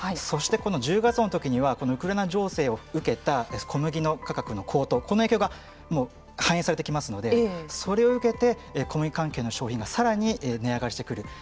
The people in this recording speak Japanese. そして、１０月のときにはこのウクライナ情勢を受けた小麦の価格の高騰この影響がもう反映されてきますのでそれを受けて小麦関係の商品がさらに値上げしてくる。